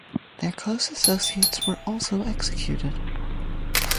Their close associates were also executed.